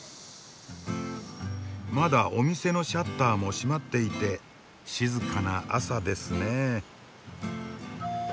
まだお店のシャッターも閉まっていて静かな朝ですねえ。